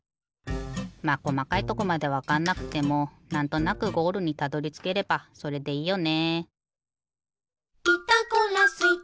まあこまかいとこまでわかんなくてもなんとなくゴールにたどりつければそれでいいよね。